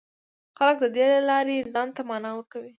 خلک د دې له لارې ځان ته مانا ورکوي.